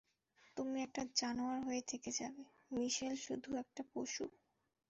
তুমি একটা জানোয়ার হয়ে থেকে যাবে, মিশেল শুধু একটা পশু।